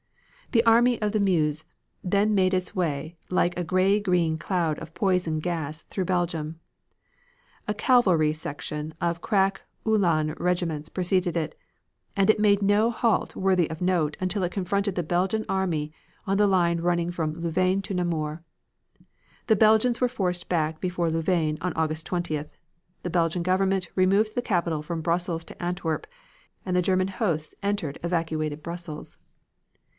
The Army of the Meuse then made its way like a gray green cloud of poison gas through Belgium. A cavalry screen of crack Uhlan regiments preceded it, and it made no halt worthy of note until it confronted the Belgian army on the line running from Louvain to Namur. The Belgians were forced back before Louvain on August 20th, the Belgian Government removed the capital from Brussels to Antwerp, and the German hosts entered evacuated Brussels.